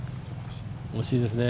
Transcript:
惜しいですね。